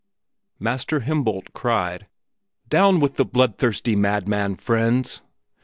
Master Himboldt cried, "Down with the bloodthirsty madman, friends!"